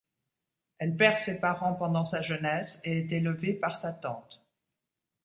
Elle perd ses parents pendant sa jeunesse et est élevée par sa tante.